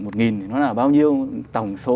một nghìn thì nó là bao nhiêu tổng số